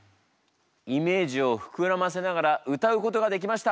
イメージを膨らませながら歌うことができました。